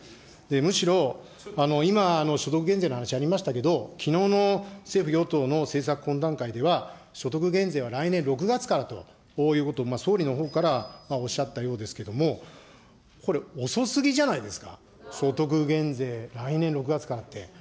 むしろ、今、所得減税の話ありましたけど、きのうの政府・与党の政策懇談会では、所得減税は来年６月からということも総理のほうからおっしゃったようですけれども、これ、遅すぎじゃないですか、所得減税、来年６月からって。